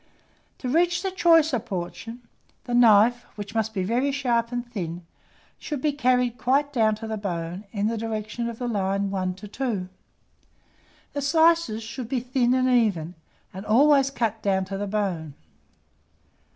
To reach the choicer portion, the knife, which must be very sharp and thin, should be carried quite down to the bone, in the direction of the line 1 to 2. The slices should be thin and even, and always cut down to the bone.